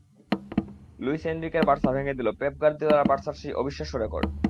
Luis এনরিকের Barca ভেঙে দিল পেপ গার্দিওলার বার্সার সেই অবিশ্বাস্য রেকর্ড।